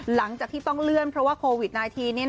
หลังจากที่ต้องเลื่อนเพราะว่าโควิด๑๙